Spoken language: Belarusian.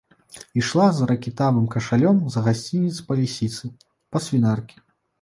Ішла з ракітавым кашалём за гасцінец па лісіцы, па свінаркі.